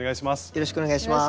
よろしくお願いします。